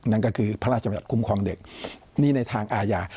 นั่นก็คือพระราชบัญญัติคุ้มครองเด็กนี่ในทางอาญา